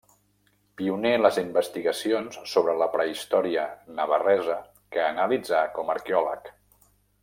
Pioner en les investigacions sobre la prehistòria navarresa que analitzà com a arqueòleg.